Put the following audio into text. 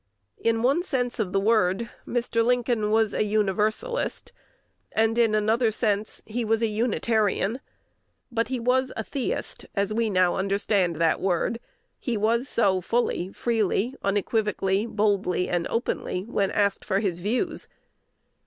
In one sense of the word, Mr. Lincoln was a Universalist, and in another sense he was a Unitarian; but he was a theist, as we now understand that word: he was so fully, freely, unequivocally, boldly, and openly, when asked for his views.